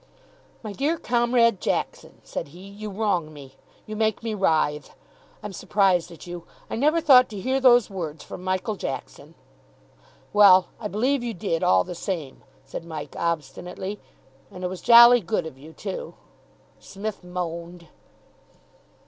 "My dear Comrade Jackson," said he, "you wrong me. You make me writhe. I'm surprised at you. I never thought to hear those words from Michael Jackson." "Well, I believe you did, all the same," said Mike obstinately. "And it was jolly good of you, too." Psmith moaned.